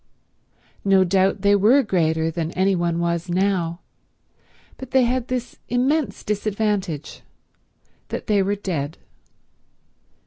No doubt they were greater than any one was now, but they had this immense disadvantage, that they were dead.